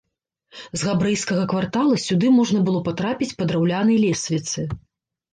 З габрэйскага квартала сюды можна было патрапіць па драўлянай лесвіцы.